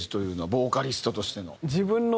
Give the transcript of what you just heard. ボーカリストとしての。